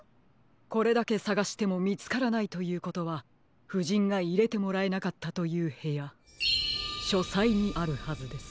これだけさがしてもみつからないということはふじんがいれてもらえなかったというへやしょさいにあるはずです。